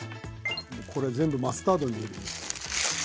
これ全部マスタードでもいい。